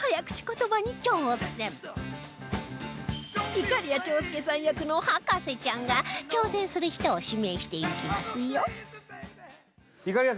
いかりや長介さん役の博士ちゃんが挑戦する人を指名していきますよ